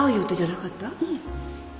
うん。